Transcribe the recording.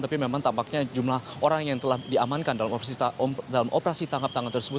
tapi memang tampaknya jumlah orang yang telah diamankan dalam operasi tangkap tangan tersebut